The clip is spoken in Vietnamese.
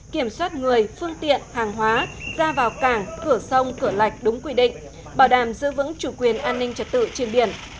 kiểm soát người phương tiện hàng hóa ra vào cảng cửa sông cửa lạch đúng quy định bảo đảm giữ vững chủ quyền an ninh trật tự trên biển